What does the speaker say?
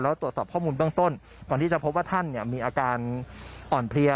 แล้วตรวจสอบข้อมูลเบื้องต้นก่อนที่จะพบว่าท่านมีอาการอ่อนเพลีย